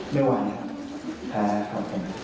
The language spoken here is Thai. ไม่ไหวครับแพ้ครับผม